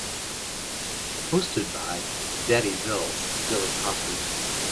Hosted by "Daddy Bills" Billy Crawford.